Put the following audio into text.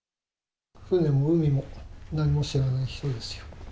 船も海も、何も知らない人ですよ。